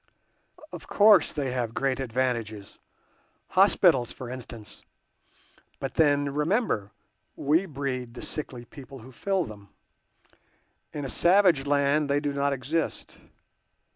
Of course they have great advantages—hospitals for instance; but then, remember, we breed the sickly people who fill them. In a savage land they do not exist.